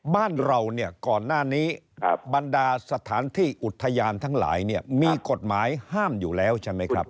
บ้านเราเนี่ยก่อนหน้านี้บรรดาสถานที่อุทยานทั้งหลายเนี่ยมีกฎหมายห้ามอยู่แล้วใช่ไหมครับ